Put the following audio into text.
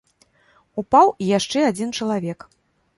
Упаў і яшчэ адзін чалавек.